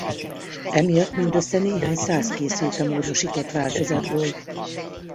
Emiatt mindössze néhány száz készült a módosított változatból.